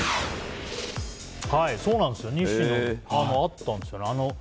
そうなんですよ西野、会ったんですよ。